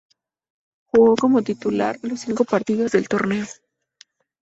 Jugó como titular los cinco partidos del torneo.